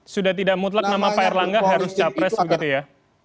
sudah tidak mutlak nama pak erlangga harus capres begitu ya